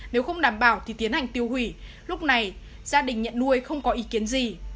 nếu không đảm bảo thì tiến hành tiêu hủy lúc này gia đình nhận nuôi không có ý kiến gì